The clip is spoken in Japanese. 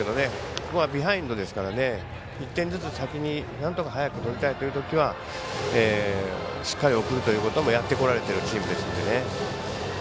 ここはビハインドですから１点ずつ先になんとか早く取りたいというときはしっかり送るということもやってこられているチームですんでね。